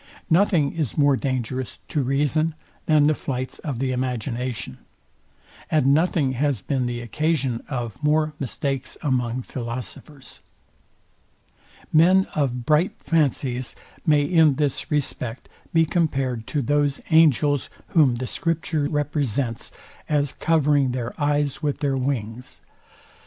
Nothing is more dangerous to reason than the flights of the imagination, and nothing has been the occasion of more mistakes among philosophers. Men of bright fancies may in this respect be compared to those angels, whom the scripture represents as covering their eyes with their wings.